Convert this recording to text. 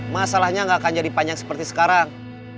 masalahnya nggak akan jadi panjang seperti sekarang